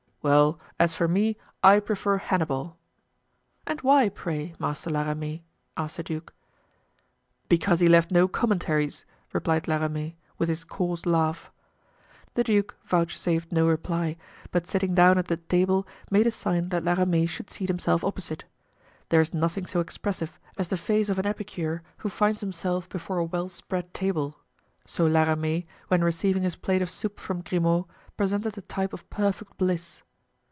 "Well, as for me, I prefer Hannibal." "And why, pray, Master La Ramee?" asked the duke. "Because he left no Commentaries," replied La Ramee, with his coarse laugh. The duke vouchsafed no reply, but sitting down at the table made a sign that La Ramee should seat himself opposite. There is nothing so expressive as the face of an epicure who finds himself before a well spread table, so La Ramee, when receiving his plate of soup from Grimaud, presented a type of perfect bliss.